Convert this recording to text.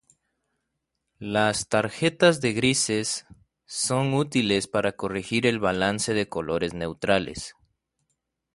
Las tarjetas de grises sólo son útiles para corregir el balance de colores neutrales.